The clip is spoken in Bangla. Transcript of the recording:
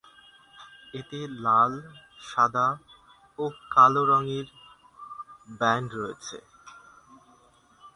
এতে লাল, সাদা ও কালো রঙের ব্যান্ড রয়েছে।